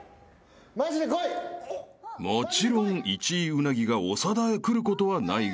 ［もちろん１位うなぎが長田へ来ることはないが］